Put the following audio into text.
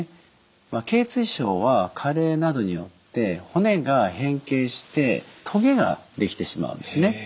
まあけい椎症は加齢などによって骨が変形してトゲが出来てしまうんですね。